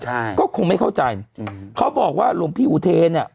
ใช่ก็คงไม่เข้าใจอืมเขาบอกว่าหลวงพี่อุเทเนี่ย